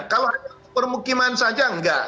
kalau permukiman saja enggak